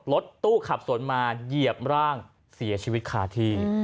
รถตู้ขับสวนมาเหยียบร่างเสียชีวิตคาที่